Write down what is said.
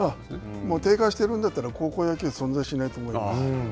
低下してるんだったら高校野球存在しないと思います。